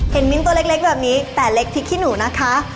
เห็นวิ้งตัวเล็กแบบนี้๘เล็กพิกนี่หนูนะคะ